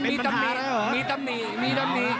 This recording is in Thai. มีต้ำหนี่